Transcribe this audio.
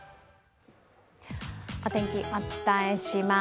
お天気、お伝えします。